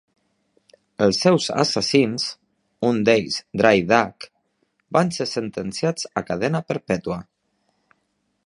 Els seus assassins, un d'ells "Dry Duck", van ser sentenciats a cadena perpètua.